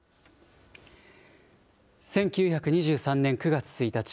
１９２３年９月１日。